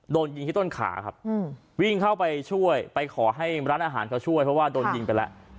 โดนยิงที่ต้นขาครับวิ่งเข้าไปช่วยไปขอให้ร้านอาหารเขาช่วยเพราะว่าโดนยิงไปแล้ว